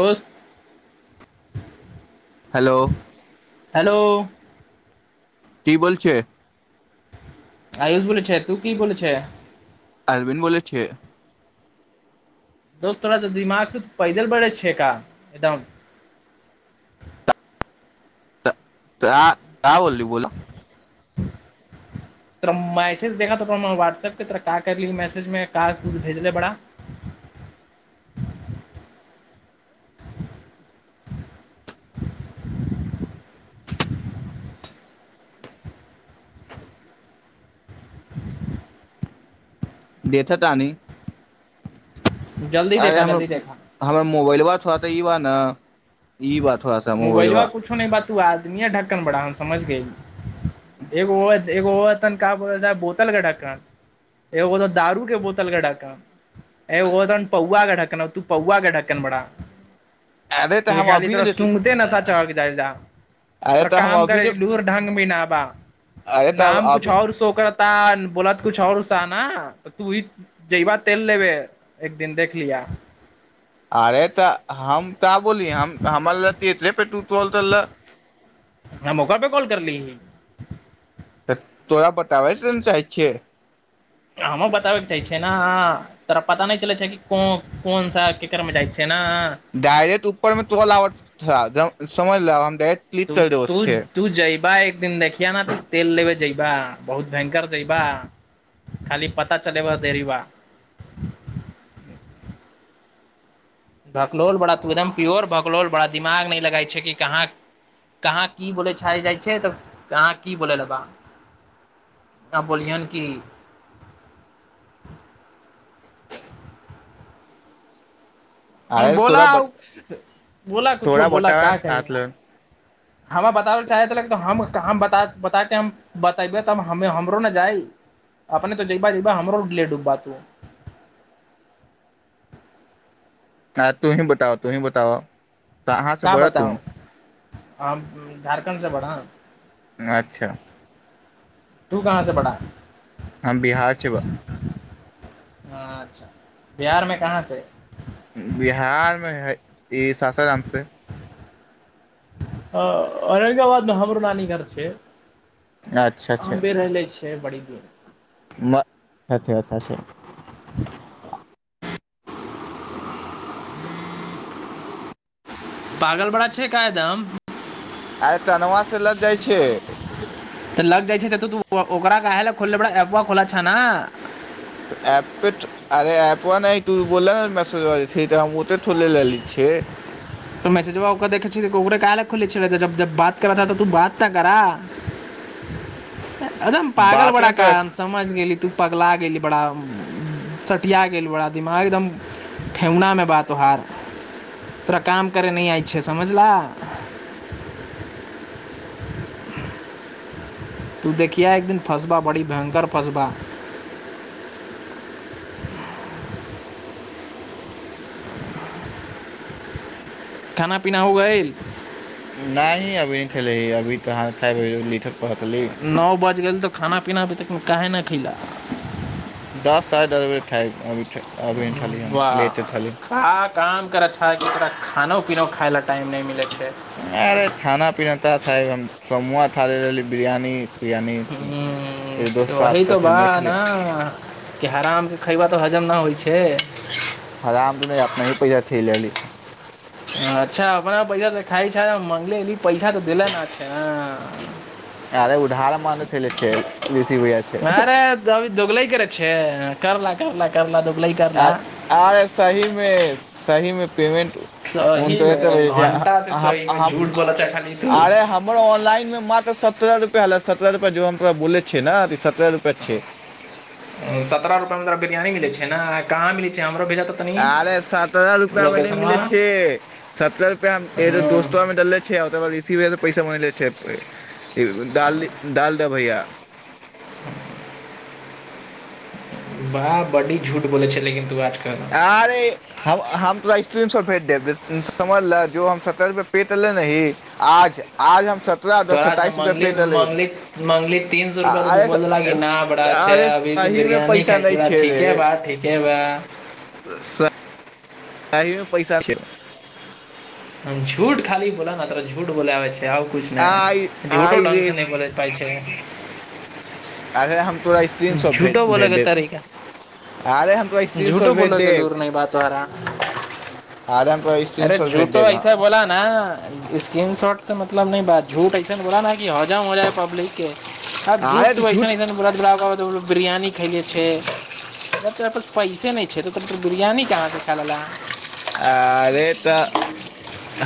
पस hello hello की बोल छै आयुष ब छै तू की ब छै अरवीन बो छी दोस्त थोड़ा दिमाग से पैदल बढ़ै छै का एकदम हं तऽ त क बोलली बोल त मैसेज देखा त वाट्सप के त क करली मैसेज में भेज देे बड़ा हं देखत तनी जल्दी अरेर देखा जल्दी देखा हमर मोबाइल बात तऽ ई बा ने ई बात मोबाइल बा कुछो न बातू आदमी य ढक्कन बड़ा हन समझ गइल ए एगो तन कहा बोलै बोतल क ढक्कन एगो दारू के बोतलके ढक्कन अ ओ त ह पौआके ढक्कन तू पौआ के ढक्कन बड़ा अे तऽ हम अभिनन्दन सुगते नशा चक जाइज अरे पर तऽ हम काम अभी करे ने लूर ढङंग भी नाबा अरे तऽ नाम कछ अभी आओर सो कर त बोला त कु आओर उसा न त तूी जैबा तेल लेबे एक दिन देख लििया हं अरे तऽ हम ता बोली हम हमर ल तऽ एते पे टूटलट लए हह मौका पे कॉल करली ही तऽ तोरा बताबै से चाहै छियै हमँ बताबे के चाह छियै ने तोरा पता नहि चलै छै कि को कोन सा केकर मे जाइ छियै ने डायरेक्ट ऊपरमे तो ल आब समझल त तू तू जइबा एक एक दिन देखिय ने तू तेल लेब जयबा बहुत भयंकरर जइबा खाली पता चलब देरी बा भकलोल बड़ा त एकदम प्योर भकलोल बड़ा दिमाग नहि लगै छै कि कहाँ कहाँ की बोलै छै जाइ छियै तऽ कहाँ की बोलय लेबह ताँ बोलियहन कि अरे बोला तोरा आ बत बोला कुछो तोरा बोला क कर बताब हमरा बताबै ल चाहै ल हम बता के हम बतेबे तब हमे हमरो ने जाइ अपने तऽ ज ब ज हमरो उ लेडूबबा तू अ तोहीं बताओ तोही बताओ तऽ अहाँ से का बोल तू बताउ हम झारखण्डसँ बढ़ अच्छा तू कहाँसँ बड़ा हम बिहार छै ब अच्छा बिहारमे कहाँसँ बिहारमे हइ ई सासारामसँ औरङंगाबादमे हमरो नानी घर छै अच्छा अच्छा आंबे रहले छै बड़ी दूर म पै पै ह पागल बड़ा छै कायदम आइ तऽनवाससँ लटि जाइ छै तऽ लग जाइ छैऽ ओकरा कहाह ल खोले ए खोला छ ने एपे अरे एऐप नहि तू बोल मैसेज त हम ओत ोे ले छिय छ तऽ मैसेज ओ देखै छ ओकरे कह ल खुले छल जब बात कराा तऽ तू बात ता करा एकदम पागल बाते बड़ा क तऽ समझ गेली तू पगला गेली बड़ा सटिया गेल बड़ा दिमाग एकदम ठेहुनामे बा तोहार तोरा काम करय नहि आइ छिय समझलह तू देखििया एक दिन फँसबा बड़ी भयंकर फँसबा हँ खाना पीना होगइल नहि ही अभी नहि ठेले ही अभी तऽहाँ खाबब लीठ नओ बाजि गेल तऽ खाना पीना अभी तकमे काहे नहि खयल दस साढ़े दस बजे तक खाइ वाह खा काम ओकर अच्छा ओरा खानो पीना खायइ लऽ टाइम नहि मिलै छै अरे खाना पीना ता था हम शमूआ खा लेले रहली बिरयानी तिरयानी एक दोस्त ह साथ वही तऽ फिर बा नहि खेलै ना कि हरामके खयबह तऽ हजम नहि होइ छै हराम के नहि अपना ही पैसा ल ली अच्छा अपना पैसा से खाइ छै मगलेी पैसा तऽ देले नेचछ ह अरे उधार मदद लेने छै ऋषि भैया छै अरे अभी दोगलै करे छै करला करला करला दोगलै करला आ आरे सहीमे सही मे पेमेंट उ त सही मे ओनाहिते बजय छै घंटा से आ सही आ मे हम झूठ बोल छै खाली तू आरे हमरो आनलाईन ह त सत्रर रुपआ ऐल सत्रह रुपआ ज हम तोरा बोे छै ने सत्रह रुपैआ छै सत्रह रुपआ मै तोरा बिरयानी मिलै छै ने कहाँ मिलै छै हमरो भेजा तऽ तनी अरे सत्रह रुपआ मे नहि लोकेशनवा मिले छै सत्ररह रुपआ हम एगो हूँ दोस्तो मे देले छ छै ओकर बाद रसिवसँ पैसा मान लै छै दालि दब भैया ह बाह बड़ी झूट ब छलै कन्ु आज अरे हम तोरा स्टूडेंट समझले जो हम सत्तर रुपए पे त लेह आज आज हम सतर तोरा से मगली मगली मगली तीन सए रुपआ तऽ तू अरे बोल देल क नहि बड़ा स- छै अरे अभी तू सही मे बिरियानी पैसा खाइ छ नहि बरा छै ठीके बा ठीके बा स कहिमे पैसा छै झूट खाली बोला तारा झूट बोले आबे छै आउ किुछ आइ नहि झूठो आइ ढङंगग रे से नहि बल पाय छै अरे हम तोरा स्क्रीन शॉट झूठो भेज बोलऽके देब तारिका अरे हम तोरा स्क्रीन शॉट झूठो भेज बोलो गेल देब लर न बात तोहरा आरे हम तोरा स्क्रीन अरे शॉट भेज झूठो देब ऐसा बोला ना स्क्रीन शॉट से मतलब न बा झूठ ऐसन बोला ना कि हजम हो जाय पब्लिक के आ झूठ तऽ अइसन अइसन बोलता गुलाके बिरयानी खले छै तह पैसे नहि छै तऽ कह बिरयानी कहाँसँ खा लेलह आरे तऽ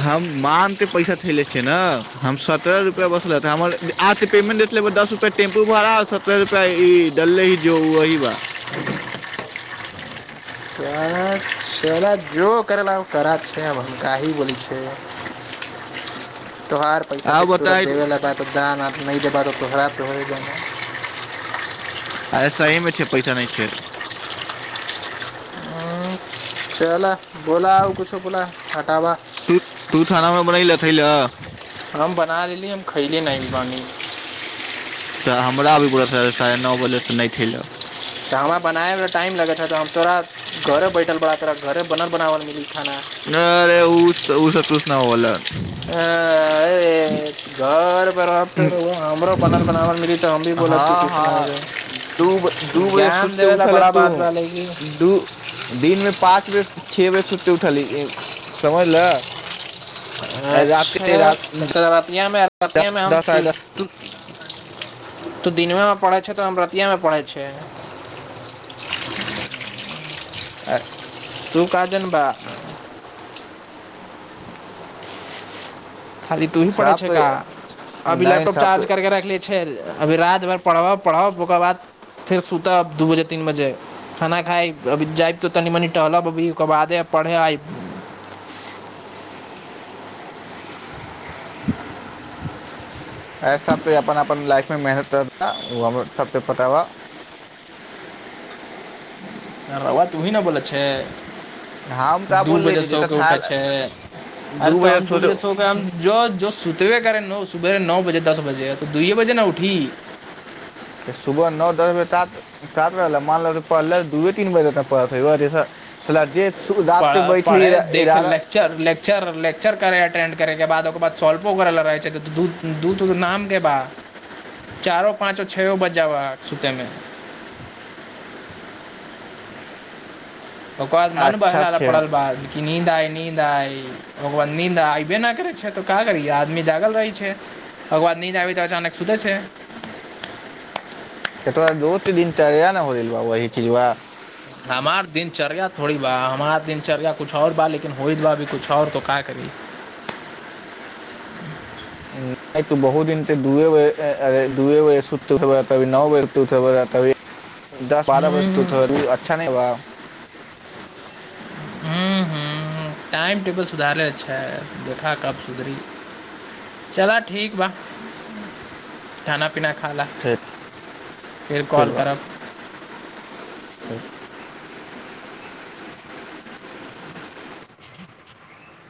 हम मान ते पैसा ले छियै ने हम सत्ररह रुपआ बसल हमर आ त पेमेंट दस रुपआ टेम्पू भाड़ा सत्रह रुपआ ई डले ह जोही बा हँ सजो कर ला करै छै आब का ही बोलै छ तोहार पैसा आउ से तोरा बताय देबे अरे लगा तऽ दान नहि देबहो तो तोहरा तो होे देना अरे सहीमे छै पैसा नहि छै चल बोला आ किछो बोला हटाबा खइल हम बना लेली हम खयली नहि बानि तऽ हमरा भी ब साढ़े साढ़े नौ बजे तऽ नहि थेल‌औ तऽ हमरा बनाबे मे टाइम लगे छै त हम तोरा घरे बैठल पड़ा तोरा घरे बनल बनावल मिली खाना अरे उस उ स तूस न होलै आ ए घर रहब त रौआ हमरो बनल बनावल मिली त हम भी बोलब कि हँ किछु न हँ गै दू दू बजे ज्ञ्यान सुति देबै ला उठल ह बड़ा तू बात बा लेकिन दू दिनमे पाँच बजे छे बजे सुतके उठली समझ ल राते अच्छा रात तऽ कल रतिया में आर दस रतियामे हम सु साढ़े दस तु तु दिनवामे परै छै त हम रतियामे पड़े छै आ तू काजनबा खाली तू ही पढ़ै साफ छे तऽ का अभी नहि लैपटॉप साफ चार्ज करके रखले छै अभी राति भरि पढ़ब पढ़ब ओकर बाद फेर सुतब दू बजे तीन बजे खाना खायइ अभी जायब तऽ तनि मनि टहलब अभी ओकर बादे पढ़य आइब [inaudible] आ सभ तो अपन अपन लाइफमे मेहनत करता ओ हमरो सभके पता बा र‌उआ तुही न बोलै छै हम तऽ दू बोलले बजे रही तऽ सोउके उठै ठाल छै अरे दू तऽ हम दु बजे सो सोच के हम जो जो सुतबे करे नु सुबेरे नौ बजे दस बजे तऽ दूयए बजे न उठी सुबह नौ दस बजे तात तात ल मानलक त पढ़लए दुऐ तीन बजे तक पढ़ते व जैसँ ला दे पढ़ पढ़े देखे लेक्चर लेक्चर लेक्चर करै अटेन्ड करैके बाद ओकर बाद सॉलफो करैला रहै छै त दूध दूध नामके बाद चारो पाँचो छेओ बजावा सुतेमे ओकर बाद मन अच्छा बहलाल छै पड़ल बा कि नींद आय नींद आइ ओइके बाद नींद आबे नहि करै छै त का करि आदमी जागल रहै छै ओकेबाद नींद आबै तऽ अचानक सुतै छै से तोरा दोस्त दिनचर्या न होगेल बा ओही चिझवा हमार दिनचर्या थोड़ी बा हमार दिनचर्या कुछ और बा लेकिन होइत बा अभी कछु और तो का करी [inaudible] नहि तऽ बहुत दिन ते दुए बजे ए अरे दुए बजे सुत उठब तभी नौ बजे उठब राती दस बारह बजे सुत हम्म, उथब त उ अच्छा नहि बा हम्म, हम्म, टाइम टेबल सुधारै छै देखा कब सुधरी चल ठीक बा खाना पीना खा फेर लए फेर कॉल करब ठीक